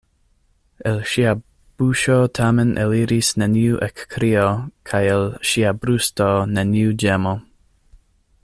El ŝia buŝo tamen eliris neniu ekkrio kaj el ŝia brusto neniu ĝemo.